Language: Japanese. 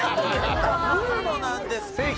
ヌードなんです。